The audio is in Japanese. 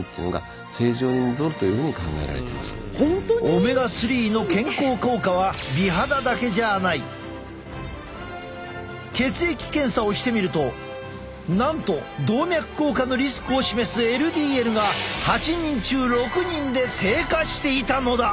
オメガ３の健康効果は血液検査をしてみるとなんと動脈硬化のリスクを示すＬＤＬが８人中６人で低下していたのだ。